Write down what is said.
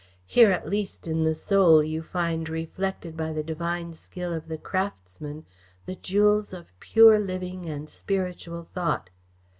Here, at least, in the Soul, you find reflected by the divine skill of the craftsman, the jewels of pure living and spiritual thought.